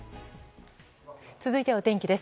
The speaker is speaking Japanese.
続いてはお天気です。